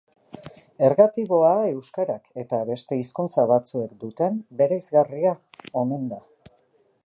Ergatiboa euskarak eta beste hizkuntza batzuek duten bereizgarria omen da.